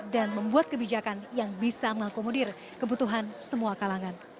dan membuat kebijakan yang bisa mengakomodir kebutuhan semua kalangan